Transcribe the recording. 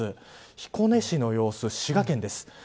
彦根市の様子、滋賀県です。